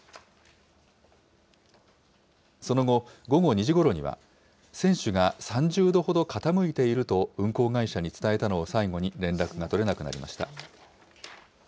その後、午後２時ごろには、船首が３０度ほど傾いていると運航会社に伝えたのを最後に連絡が取れなくなりました。